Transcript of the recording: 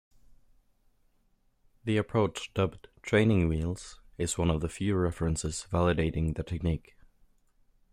The approach dubbed "training wheels" is one of the few references validating the technique.